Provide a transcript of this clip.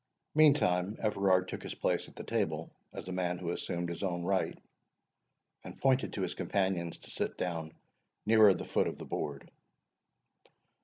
Meantime, Everard took his place at the table, as a man who assumed his own right, and pointed to his companions to sit down nearer the foot of the board.